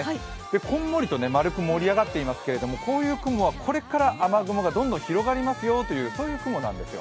こんもりと丸く盛り上がっていますけれども、こういう雲はこれから雨雲がどんどん広がりますよという雲なんです。